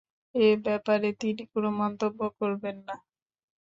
এ ব্যাপারে তিনি কোনো মন্তব্য করবেন না।